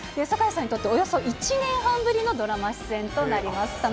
堺さんにとって、およそ１年半ぶりのドラマ出演となります。